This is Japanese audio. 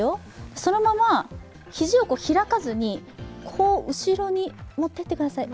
そのまま肘を開かずに後ろに持っていってください。